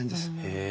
へえ。